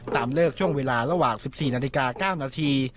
เลิกช่วงเวลาระหว่าง๑๔นาฬิกา๙นาที